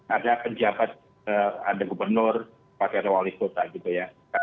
ada penjabat ada gubernur ada pemirsa ada estas ada seorang pemerintah ada dengan ketiga berapa orang daerah kita berada